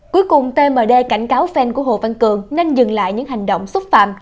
cuối cùng tmd cảnh cáo phen của hồ văn cường nên dừng lại những hành động xúc phạm